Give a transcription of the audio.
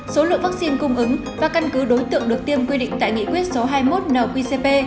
số lượng vaccine cung ứng và căn cứ đối tượng được tiêm quy định tại nghị quyết số hai mươi một nqcp